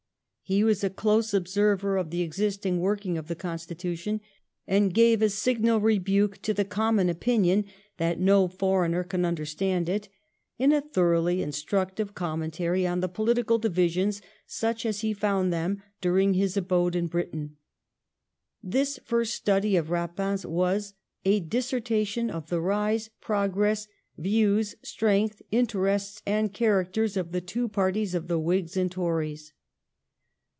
He was a close observer of the existing working of the constitution, and gave a signal rebuke to the common opinion that no foreigner can understand it, in a thoroughly instructive commentary on the political divisions such as he found them during his abode in Britain.' This first study of Eapin's was 'A Disserta tion of the rise, progress, views, strength, interests, and characters of the two Parties of the Whigs and Tories.'